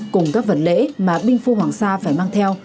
cùng các vật lễ mà binh phu hoàng sa phải mang theo